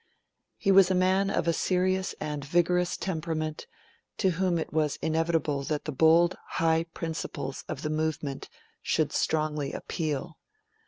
He was a man of a serious and vigorous temperament, to whom it was inevitable that the bold high principles of the Movement should strongly appeal.